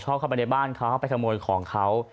เข้าไปในบ้านเขาไปขโมยของเขา